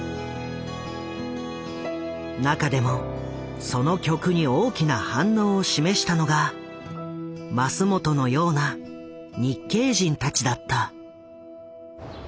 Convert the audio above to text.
中でもその曲に大きな反応を示したのがマスモトのような日系人たちだった。